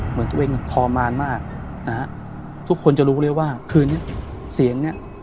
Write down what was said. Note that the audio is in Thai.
เหมือนตัวเองทรมานมากนะฮะทุกคนจะรู้เลยว่าคืนนี้เสียงเนี้ย